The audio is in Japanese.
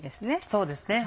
そうですね。